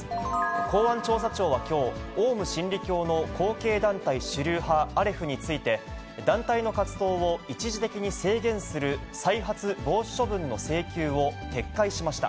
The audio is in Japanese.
公安調査庁はきょう、オウム真理教の後継団体主流派、アレフについて、団体の活動を一時的に制限する再発防止処分の請求を撤回しました。